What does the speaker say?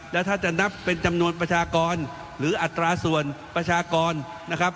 แล้วถ้าจะนับเป็นจำนวนประชากรหรืออัตราส่วนประชากรนะครับ